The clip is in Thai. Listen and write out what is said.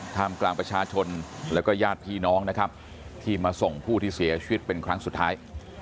ท่ามกลางประชาชนแล้วก็ญาติพี่น้องนะครับที่มาส่งผู้ที่เสียชีวิตเป็นครั้งสุดท้าย